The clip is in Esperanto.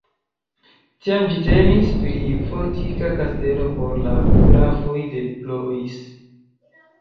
Tiam ĝi temis pri fortika kastelo por la grafoj de Blois.